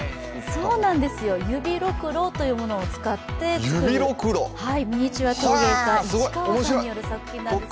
そうなんですよ、指ろくろというものを使って作るミニチュア陶芸家市川さんによる作品なんです。